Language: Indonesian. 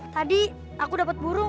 tadi aku dapat burung